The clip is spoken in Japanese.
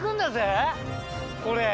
これ。